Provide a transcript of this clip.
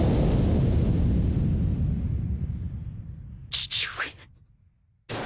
父上。